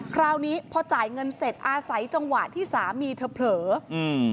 คราวนี้พอจ่ายเงินเสร็จอาศัยจังหวะที่สามีเธอเผลออืม